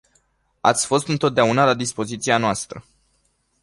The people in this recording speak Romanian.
Ați fost întotdeauna la dispoziția noastră.